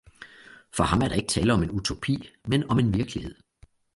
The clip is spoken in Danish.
For ham er der ikke tale om en utopi, men om en virkelighed